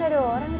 ya itu dong